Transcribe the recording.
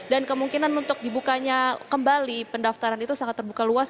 dan kemungkinan untuk dibukanya kembali pendaftaran itu sangat terbuka luas